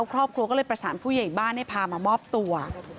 ครอบครัวก็เลยประสานผู้ใหญ่บ้านให้พามามอบตัว